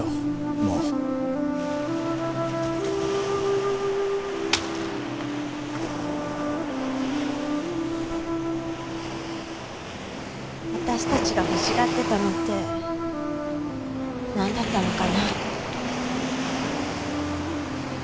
もう私たちが欲しがってたのってなんだったのかな？